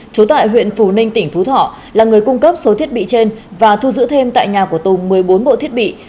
trú tại huyện phù ninh tỉnh phú thọ là người cung cấp số thiết bị trên và thu giữ thêm tại nhà của tùng một mươi bốn bộ thiết bị